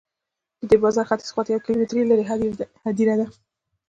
د دې بازار ختیځ خواته یو کیلومتر لرې هدیره ده.